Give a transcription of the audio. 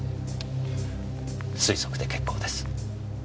推測で結構です。